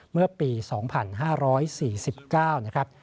เมื่อปี๒๕๔๙นะครับ